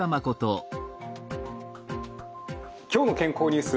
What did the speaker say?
「きょうの健康ニュース」